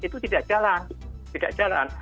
itu tidak jalan